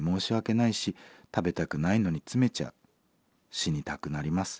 死にたくなります。